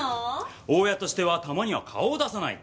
大家としてはたまには顔を出さないと。